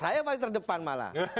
saya paling terdepan malah